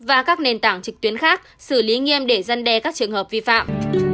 và các nền tảng trịch tuyến khác xử lý nghiêm để dân đe các trường hợp vi phạm